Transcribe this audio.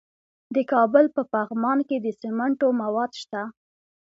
د کابل په پغمان کې د سمنټو مواد شته.